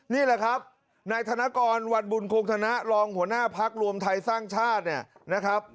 นี่แหละครับนายธนกรวันบุญคงธนะรองหัวหน้าพักรวมไทยสร้างชาติเนี่ยนะครับ